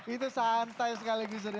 itu santai sekali gus dur